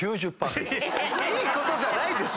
いいことじゃないでしょ！